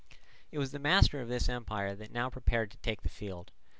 It was the master of this empire that now prepared to take the field.